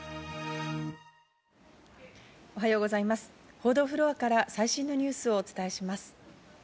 報道フロアから最新のニュースをお伝えします。